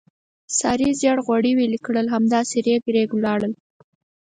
سارې زېړ غوړي ویلې کړل، همداسې رېګ رېګ ولاړل.